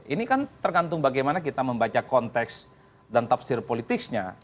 ini kan tergantung bagaimana kita membaca konteks dan tafsir politiknya